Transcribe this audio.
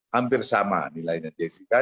hampir sama nilainya jessica